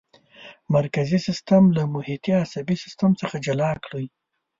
مرکزي سیستم له محیطي عصبي سیستم څخه جلا کړئ.